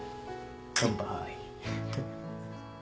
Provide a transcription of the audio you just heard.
乾杯。